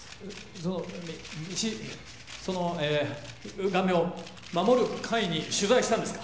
そのミシそのえガメを守る会に取材したんですか？